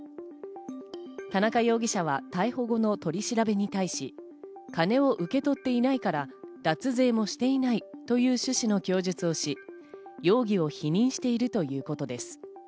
田中容疑者は逮捕後の取り調べに対し、金を受け取っていないから脱税もしていないという趣旨の供述をし、容疑を否認しているということです。